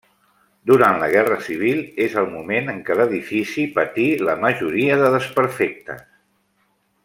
Durant la Guerra Civil és el moment en què l'edifici patí la majoria de desperfectes.